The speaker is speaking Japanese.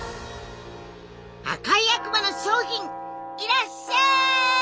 赤い悪魔の商品いらっしゃい！